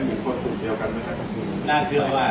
จุดพัฒนธรงกับจุดคศูนย์นะครับ